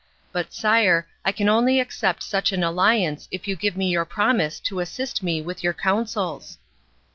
But, sire, I can only accept such an alliance if you give me your promise to assist me with your counsels."